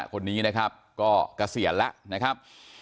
คนนี้นะครับก็เกษียณแล้วนะครับ